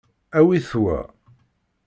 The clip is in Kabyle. Awit wa.